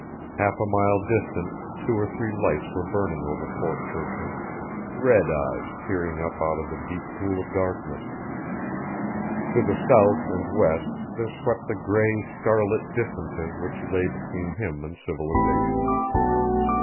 Half a mile distant two or three lights were burning over Fort Churchill, red eyes peering up out of the deep pool of darkness; to the south and west there swept the gray, starlit distances which lay between him and civilization.